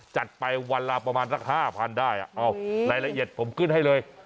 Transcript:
จัดไปวันละประมาณสัก๕๐๐๐ได้เอารายละเอียดผมขึ้นให้เลย